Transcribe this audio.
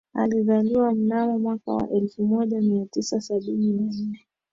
Alizaliwa mnamo mwaka wa elfu moja mia tisa sabini na nne